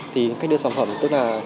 thì cách đưa sản phẩm tức là